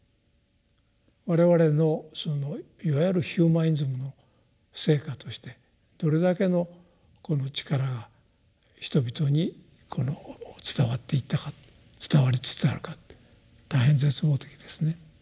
我々のそのいわゆるヒューマニズムの成果としてどれだけのこの力が人々にこの伝わっていったか伝わりつつあるか大変絶望的ですね。